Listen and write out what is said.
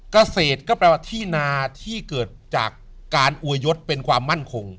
เกษตรก็แปลว่าที่นาที่เกิดจากการอวยยศเป็นความมั่นคง